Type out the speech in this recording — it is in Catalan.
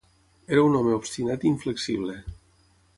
Era un home obstinat i inflexible.